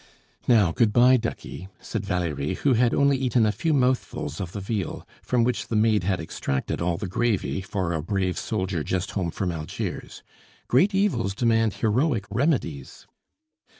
"Now, good bye, ducky!" said Valerie, who had only eaten a few mouthfuls of the veal, from which the maid had extracted all the gravy for a brave soldier just home from Algiers. "Great evils demand heroic remedies."